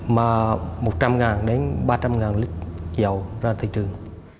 mà một trăm linh đến ba trăm linh lít dầu ra thị trường